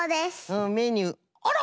メニューあら！